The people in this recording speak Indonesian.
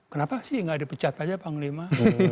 kenapa sih nggak dipecat aja panglima